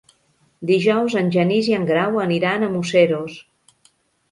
Dijous en Genís i en Grau aniran a Museros.